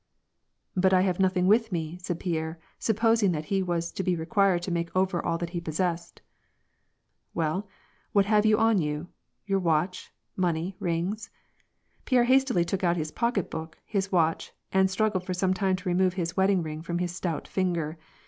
" But I have nothing with me," said Pierre, supposing that he was to be required to make over all that he possessed. " Well, what you have on you ; your watch, money, rings." Pierre hastily took out his pocketbook, his watch, and strug gled for some time to remove his wedding ring from his stout finger.